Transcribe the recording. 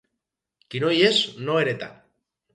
Qui no hi és, no hereta.